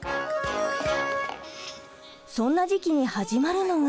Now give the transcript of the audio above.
そんな時期に始まるのが。